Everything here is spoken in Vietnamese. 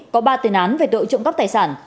có ba tiền án về tội trộm cắp tài sản